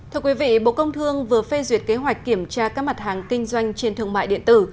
thưa quý vị bộ công thương vừa phê duyệt kế hoạch kiểm tra các mặt hàng kinh doanh trên thương mại điện tử